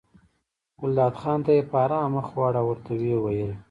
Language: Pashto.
ګلداد خان ته یې په ارامه مخ واړاوه او ورته ویې ویل.